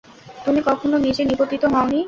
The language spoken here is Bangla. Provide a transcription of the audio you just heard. তুমি কখনও নিচে নিপতিত হওনি।